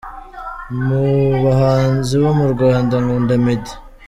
Mu bahanzi bo mu Rwanda nkunda Meddy.